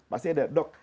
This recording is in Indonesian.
pasti ada dok